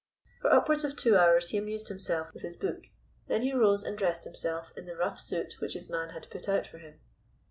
For upwards of two hours he amused himself with his book; then he rose and dressed himself in the rough suit which his man had put out for him.